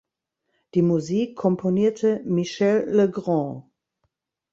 Die Musik komponierte Michel Legrand.